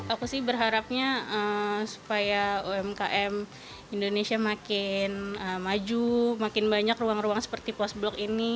aku sih berharapnya supaya umkm indonesia makin maju makin banyak ruang ruang seperti post blok ini